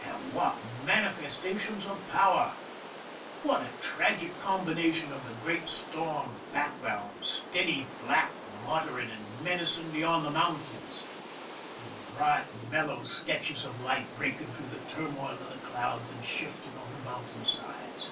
And what manifestations of power ! What a tragic combination of the great storm back ground, steady black, muttering and menacing beyond the mountains, and the bright, mellow 254 PEISON LIFE THE SIEGE stretches of light breaking through the turmoil of the clouds and shifting on the mountain sides!